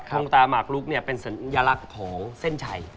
งตาหมากลุกเป็นสัญลักษณ์ของเส้นชัย